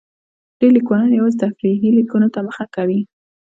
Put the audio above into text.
ډېری لیکوالان یوازې تفریحي لیکنو ته مخه کوي.